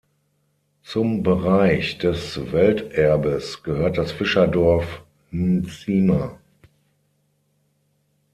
Zum Bereich des Welterbes gehört das Fischerdorf N’zima.